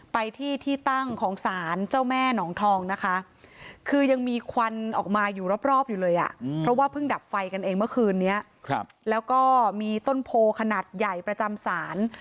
ไปที่ที่ตั้งของศาลเจ้าแม่หนองทองนะคะคือยังมีควันออกมาอยู่รอบอยู่เลยอ่ะเพราะว่าเพิ่งดับไฟกันเองเมื่อคืนนี้แล้วก็มีต้นโพขนาดใหญ่ประจำศาล